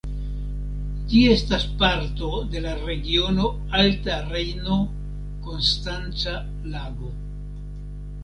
Ĝi estas parto de la regiono Alta Rejno-Konstanca Lago.